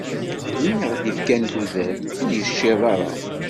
Win i aɣ-d-ifkan tudert, ur yecciḍ ara.